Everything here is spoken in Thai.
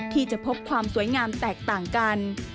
ที่จะพบความสวยงามแตกต่างกัน